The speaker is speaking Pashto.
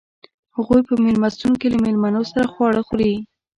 هغوئ په میلمستون کې له میلمنو سره خواړه خوري.